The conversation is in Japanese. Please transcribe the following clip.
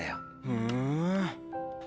ふん。